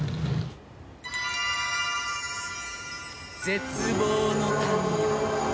絶望の民よ